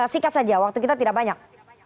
singkat saja waktu kita tidak banyak